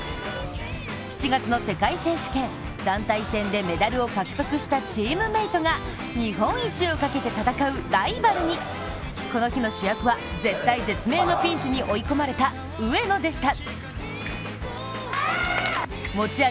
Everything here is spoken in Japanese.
７月の世界選手権、団体戦でメダルを獲得したチームメートがこの日の主役は絶体絶命のピンチに追い込まれた上野でした。